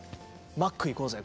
「マック行こうぜ」と。